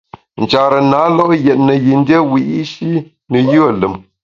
Nchare na lo’ yètne yin dié wiyi’shi ne yùe lùm.